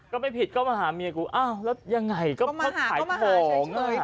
ก็ไม่พิษก็มาหามียกูแล้วยังไงก็เขาขายของ